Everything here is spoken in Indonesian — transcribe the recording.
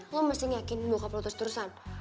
lo mesti ngelakuin bokap lo terus terusan